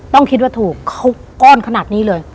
ต้องคิดว่าถูกเขาก้อนขนาดนี้เลย